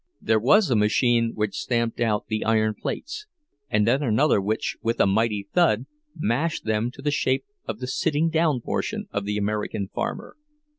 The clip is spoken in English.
There was a machine which stamped out the iron plates, and then another which, with a mighty thud, mashed them to the shape of the sitting down portion of the American farmer.